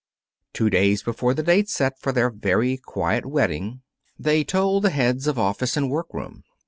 Two days before the date set for their very quiet wedding, they told the heads of office and workroom.